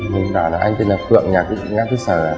mình bảo là anh tên là phượng nhà ở ngã tư sở